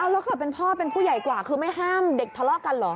แล้วเกิดเป็นพ่อเป็นผู้ใหญ่กว่าคือไม่ห้ามเด็กทะเลาะกันเหรอ